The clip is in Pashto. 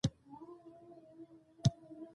مستوفیت د مالیاتو ټولولو مسوول دی